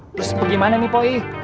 terus bagaimana nih poi